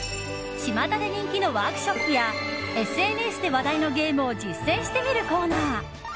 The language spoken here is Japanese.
ちまたで人気のワークショップやＳＮＳで話題のゲームを実践してみるコーナー